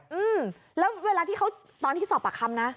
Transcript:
อืมแล้วเวลาที่เขาตอนที่สอบปากคำนะ